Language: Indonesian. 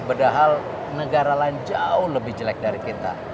padahal negara lain jauh lebih jelek dari kita